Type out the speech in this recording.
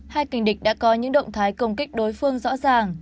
hai kinh địch đã có những động thái công kích đối phương rõ ràng